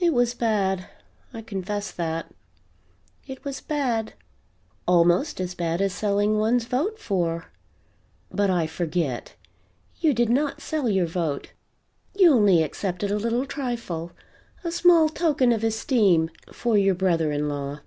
"It was bad; I confess that. It was bad. Almost as bad as selling one's vote for but I forget; you did not sell your vote you only accepted a little trifle, a small token of esteem, for your brother in law.